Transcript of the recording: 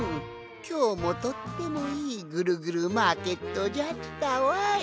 きょうもとってもいいぐるぐるマーケットじゃったわい。